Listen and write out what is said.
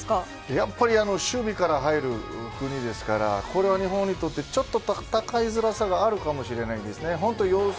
やっぱり守備から入る国ですから日本にとってちょっと戦いづらさがあるかもしれないです。